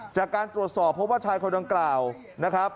จากการตรวจสอบเพราะว่าชายคนดังกล่าวนะครับ